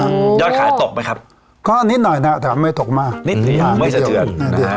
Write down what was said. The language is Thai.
ยอดขายตกไหมครับก็นิดหน่อยนะแต่ไม่ตกมานิดหน่อยไม่สะเทือน